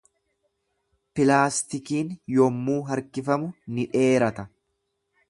pilaastikiin yommuu harkifamu ni dheerata.